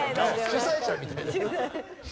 主催者みたいだよ。